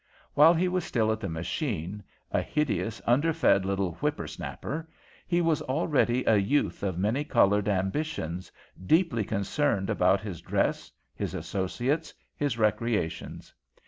While he was still at the machine, a hideous, underfed little whippersnapper, he was already a youth of many coloured ambitions, deeply concerned about his dress, his associates, his recreations.